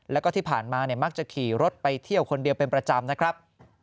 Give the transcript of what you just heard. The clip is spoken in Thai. แล้วก็ที่ผ่านมามักจะขี่รถไปเที่ยวคนเดียวเป็นประจำนะครับ